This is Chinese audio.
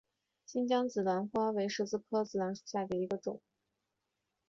新疆紫罗兰为十字花科紫罗兰属下的一个种。